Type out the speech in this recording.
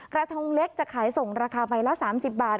กระทงเล็กจะขายส่งราคาใบละ๓๐บาท